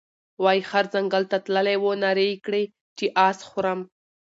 وايې خر ځنګل ته تللى وو نارې یې کړې چې اس خورم،